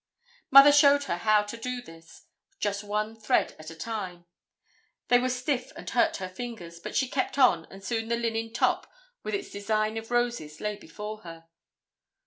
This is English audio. Mother showed her how to do this, just one thread at a time. They were stiff and hurt her fingers, but she kept on and soon the linen top with its design of roses lay before her.